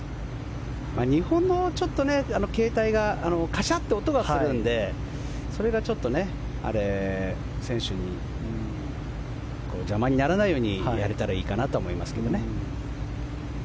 日本の携帯がカシャッて音がするんでそれがちょっと選手の邪魔にならないようにやれたらいいかなと思いますけどね。